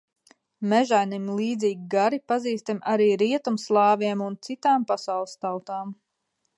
Mežainim līdzīgi gari pazīstami arī rietumslāviem un citām pasaules tautām.